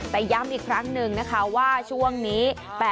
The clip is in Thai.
แต่ย้ำอีกครั้งหนึ่งนะคะว่าช่วงนี้